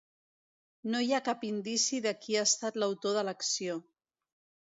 No hi ha cap indici de qui ha estat l’autor de l’acció.